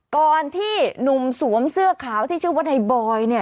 ก่อนที่หนุ่มสวมเสื้อขาวที่ชื่อว่าในบอยเนี่ย